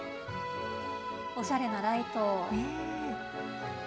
おしゃれなライト。